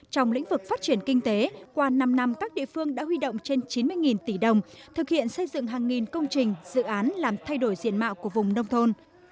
trong lĩnh vực phát triển kinh tế qua năm năm các địa phương đã huy động trên chín mươi tỷ đồng thực hiện xây dựng hàng nghìn công trình dự án làm thay đổi diện mạo của vùng nông thôn